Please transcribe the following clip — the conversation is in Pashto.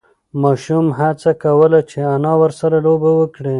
ماشوم هڅه کوله چې انا ورسره لوبه وکړي.